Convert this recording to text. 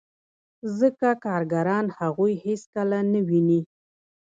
ځکه کارګران هغوی هېڅکله نه ویني